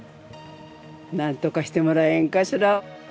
なんとかしてもらえんかしら。